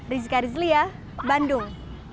rizika rizliyah bandung